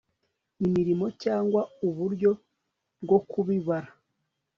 imirimo cyangwa uburyo bwo kubibara